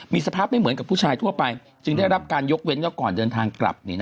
มีสภาพไม่เหมือนกับผู้ชายทั่วไปจึงได้รับการยกเว้นว่าก่อนเดินทางกลับ